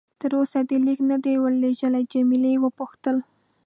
تر اوسه دې لیک نه دی ورلېږلی؟ جميله وپوښتل.